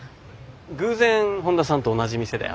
偶然本田さんと同じ店で会って。